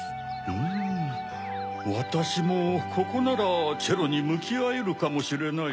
うんわたしもここならチェロにむきあえるかもしれない。